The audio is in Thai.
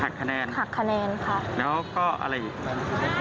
หักคะแนนครับแล้วก็อะไรอีกครับ